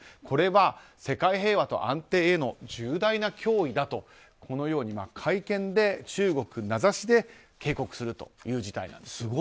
これは世界平和と安定への重大な脅威だとこのように会見で中国名指しで警告するという事態なんです。